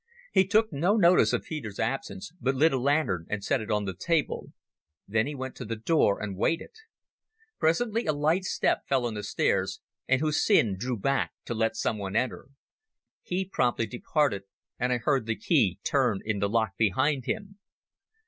He took no notice of Peter's absence, but lit a lantern and set it on the table. Then he went to the door and waited. Presently a light step fell on the stairs, and Hussin drew back to let someone enter. He promptly departed and I heard the key turn in the lock behind him.